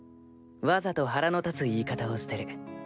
わざと腹の立つ言い方をしてる。